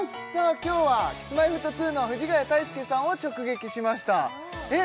今日はＫｉｓ−Ｍｙ−Ｆｔ２の藤ヶ谷太輔さんを直撃しましたえっ